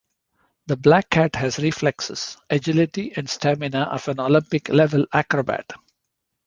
The Black Cat has reflexes, agility, and stamina of an Olympic level acrobat.